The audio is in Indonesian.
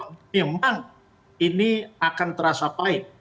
memang ini akan terasa pahit